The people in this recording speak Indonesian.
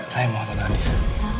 saya mau tante andis